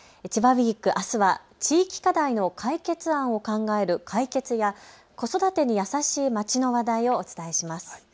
千葉ウイーク、あすは地域課題の解決案を考えるカイケツや子育てに優しい町の話題をお伝えします。